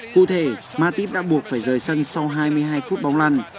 cụ thể mattip đã buộc phải rời sân sau hai mươi hai phút bóng lăn